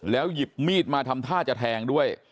หยิบมีดมาทำท่าจะแทงด้วย